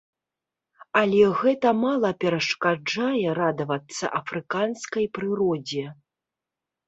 Але гэта мала перашкаджае радавацца афрыканскай прыродзе.